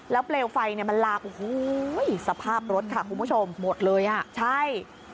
แล้วเปลวไฟมันลากสภาพรถค่ะคุณผู้ชมหมดเลยอ่ะใช่